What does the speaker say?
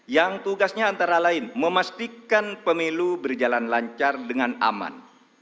yang tugasnya antara lain memastikan pemilu berjalan lancar dengan aman